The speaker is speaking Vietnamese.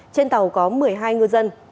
trên tàu có một mươi hai ngư dân